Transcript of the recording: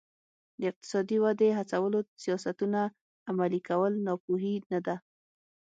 د اقتصادي ودې هڅولو سیاستونه عملي کول ناپوهي نه ده.